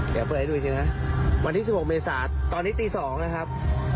เดี๋ยวเปิดให้ดูสินะวันที่๑๖เมษาตอนนี้ตี๒นะครับ